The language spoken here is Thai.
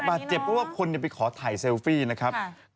บาดเจ็บก็ว่าคนอย่าไปขอถ่ายเซลฟี่นะครับค่ะ